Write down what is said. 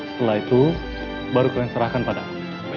setelah itu baru kalian serahkan padamu